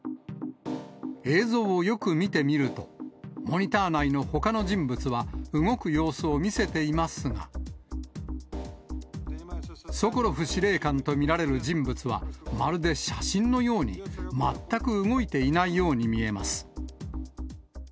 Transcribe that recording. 映像をよく見てみると、モニター内のほかの人物は動く様子を見せていますが、ソコロフ司令官と見られる人物は、まるで写真のように、全く動いていないように見えます。